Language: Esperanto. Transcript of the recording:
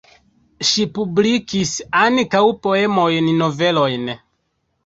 Ŝi publikis ankaŭ poemojn, novelojn.